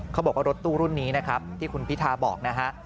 เขาบอกว่ารถตู้รุ่นนี้นะครับที่คุณพิทาบอกนะฮะ